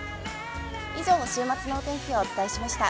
以上、週末のお天気をお伝えしました。